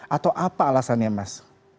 atau apa alasannya mas